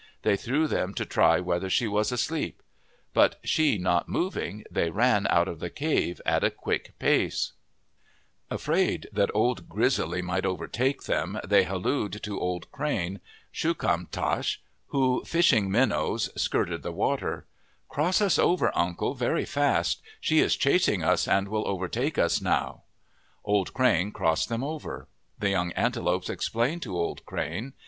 They threw them to try whether she was asleep. But she not moving, they ran out of the cave at a quick pace. 138 Copyrighted by F. H. X owe it ALASKAN BASKETS OF THE PACIFIC NORTHWEST Afraid that Old Grizzly might overtake them, they hallooed to Old Crane, Shukamtchash, who, fishing minnows, skirted the water. " Cross us over, uncle, very fast. She is chasing us and will overtake us now." Old Crane crossed them over. The young antelopes explained to Old Crane.